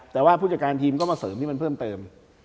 แต่ว่าผู้จัดการทีมก็มาเสริมที่มันเพิ่มเติม